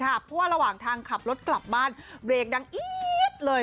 เพราะว่าระหว่างทางขับรถกลับบ้านเบรกดังอี๊ดเลย